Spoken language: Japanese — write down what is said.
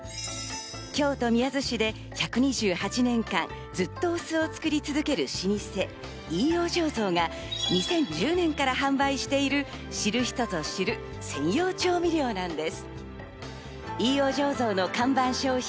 京都・宮津市で１２８年間、ずっとお酢を作り続ける老舗・飯尾醸造が２０１０年から販売している知る人ぞ知る、専用調味料なんです。